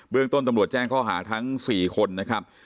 เรื่องต้นตำรวจแจ้งข้อหาทั้ง๔คนนะครับ